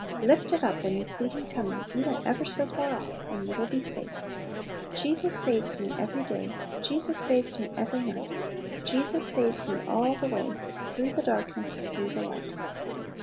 Lift it up when you see him coming, even ever so far off, and you will be safe. "Jesus saves me every day, Jesus saves me every night; Jesus saves me all the way, Through the darkness, through the light."